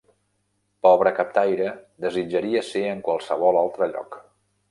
Pobre captaire, desitjaria ser en qualsevol altre lloc.